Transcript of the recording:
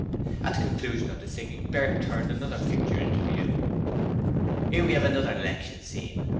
At the conclusion of the singing, Bert turned another picture into view. ''Ere we 'ave another election scene.